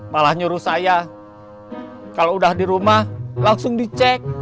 malah nyuruh saya kalau udah di rumah langsung dicek